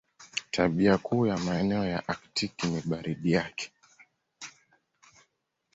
Tabia kuu ya maeneo ya Aktiki ni baridi yake.